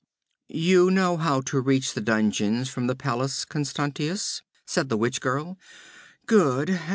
'You know how to reach the dungeons from the palace, Constantius?' said the witch girl. 'Good.